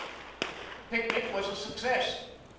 The picnic was a success.